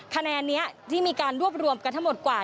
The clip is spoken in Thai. คะแนนนี้ที่มีการรวบรวมกันทั้งหมดกว่า